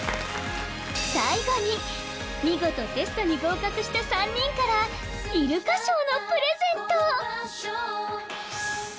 最後に見事テストに合格した３人からイルカショーのプレゼント！